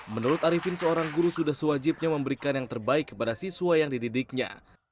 menurut arifin seorang guru sudah sewajibnya memberikan yang terbaik kepada siswa yang dididiknya